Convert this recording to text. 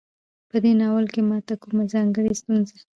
په دې ناول کې ماته کومه ځانګړۍ ستونزه